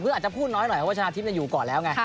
คืออาจจะพูดน้อยหน่อยเพราะว่าชนะทิพย์อยู่ก่อนแล้วไง